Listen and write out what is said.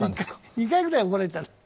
２回ぐらい怒られた。